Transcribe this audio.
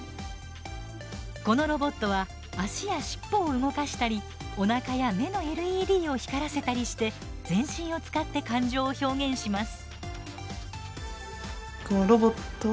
このロボットは足や尻尾を動かしたりおなかや目のＬＥＤを光らせたりして全身を使って感情を表現します。